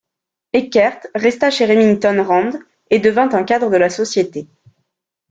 Eckert resta chez Remington Rand et devint un cadre de la société.